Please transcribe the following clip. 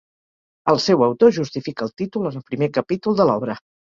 El seu autor justifica el títol en el primer capítol de l'obra.